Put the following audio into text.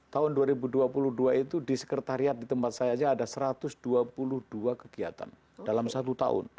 tahun dua ribu dua puluh dua itu di sekretariat di tempat saya saja ada satu ratus dua puluh dua kegiatan dalam satu tahun